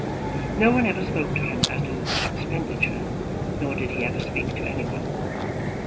No one ever spoke to him as to this expenditure, nor did he ever speak to any one.